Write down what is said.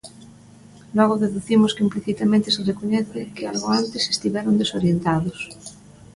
Logo, deducimos que implicitamente se recoñece que algo antes estiveron desorientados.